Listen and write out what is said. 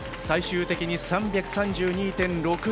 最終的に３３２．６０。